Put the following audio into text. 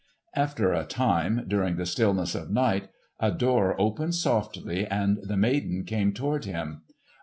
After a time, during the stillness of night, a door opened softly and the maiden came toward him.